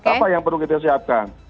apa yang perlu kita siapkan